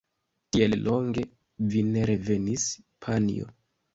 Tiel longe vi ne revenis, panjo!